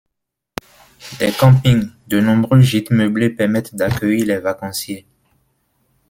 Des campings, de nombreux gîtes meublés permettent d’accueillir les vacanciers.